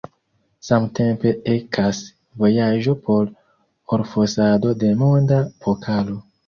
Samtempe ekas vojaĝo por orfosado de Monda Pokalo.